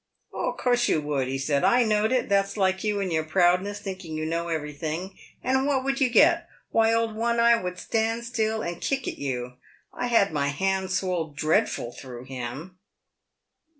" O' coorse you would," he said. " I knowed it. That's like you and your proudness, thinking you know everything. And what would you get ? Why, old One eye would stand still and kick at you. I had my hand swolled dreadful through him."